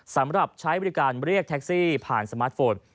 สำหรับใช้บริการเรียกแท็กซี่ผ่านสมาร์ทโฟน